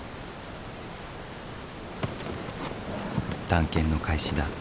探検の開始だ。